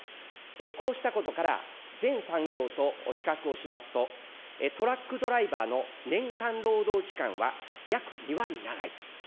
こうしたことから、全産業と比較をしますと、トラックドライバーの年間労働時間は約２割長いと。